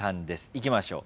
いきましょう。